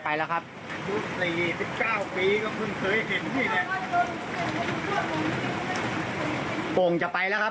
พี่รินโอ่งไปแล้วครับ